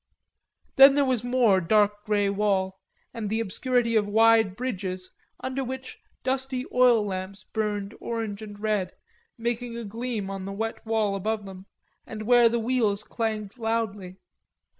Then there was more dark grey wall, and the obscurity of wide bridges under which dusty oil lamps burned orange and red, making a gleam on the wet wall above them, and where the wheels clanged loudly.